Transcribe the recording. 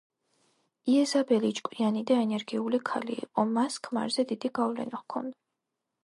იეზაბელი ჭკვიანი და ენერგიული ქალი იყო, მას ქმარზე დიდი გავლენა ჰქონდა.